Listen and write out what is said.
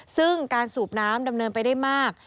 ซึ่งการสูบน้ำดำเนินไปได้มาก